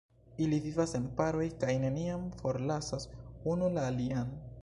Ili vivas en paroj kaj neniam forlasas unu la alian.